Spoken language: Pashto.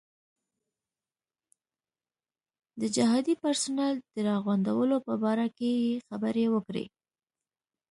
د جهادي پرسونل د راغونډولو په باره کې یې خبرې وکړې.